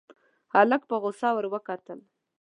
هلک په غوسه ور وکتل.